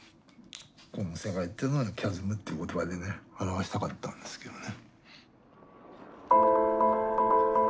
この世界っていうのは「ＣＨＡＳＭ」っていう言葉でね表したかったんですけどね。